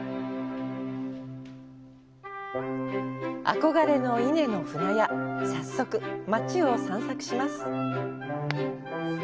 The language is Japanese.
憧れの伊根の舟屋、早速、町を散策します。